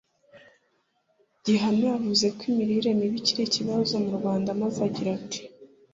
Gihana yavuze ko imirire mibi ikiri ikibazo mu Rwanda maze agira ati